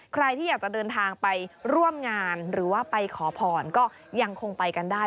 ใครที่อยากจะเดินทางไปร่วมงานหรือว่าไปขอพรก็ยังคงไปกันได้